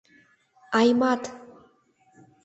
— Аймат!